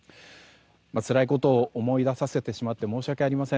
つらいことを思い出させてしまって申し訳ありません